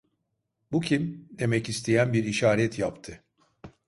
"Bu kim?" demek isteyen bir işaret yaptı.